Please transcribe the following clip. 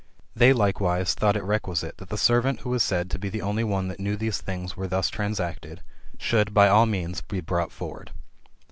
* They, likewise, thought it requisite that the servant who was said to be the only one that knew these things were thus transacted, should, by all means, be brought forward.